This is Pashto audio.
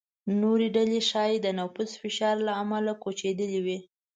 نورې ډلې ښايي د نفوس فشار له امله کوچېدلې وي.